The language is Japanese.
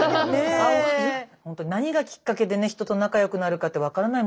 本当に何がきっかけで人と仲良くなるかって分からないもんよね